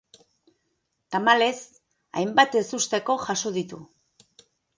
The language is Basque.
Tamalez, hainbat ezusteko jaso ditu.